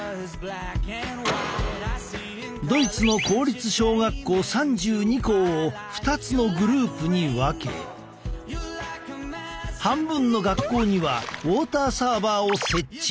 ドイツの公立小学校３２校を２つのグループに分け半分の学校にはウォーターサーバーを設置。